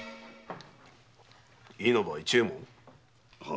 稲葉市右衛門？